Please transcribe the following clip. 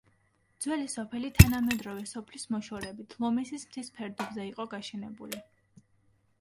ძველი სოფელი თანამედროვე სოფლის მოშორებით, ლომისის მთის ფერდობზე იყო გაშენებული.